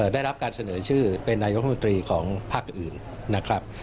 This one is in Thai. ได้รับการเสนอชื่อเป็นนายกรมนตรีของภาคอื่นนะครับ